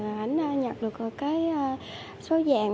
anh nhật được số vàng